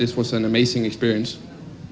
ini adalah pengalaman yang luar biasa